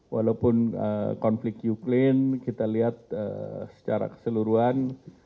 walaupun konflik ukraine kita lihat secara keseluruhan